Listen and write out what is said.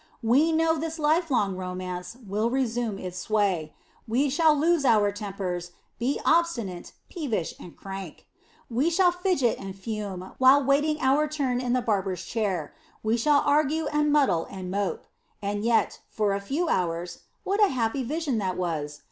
We know this lifelong romance will resume its sway; we shall lose our tempers, be obstinate, peevish and crank. We shall fidget and fume while waiting our turn in the barber's chair; we shall argue and muddle and mope. And yet, for a few hours, what a happy vision that was!